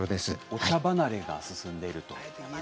お茶離れが進んでいると。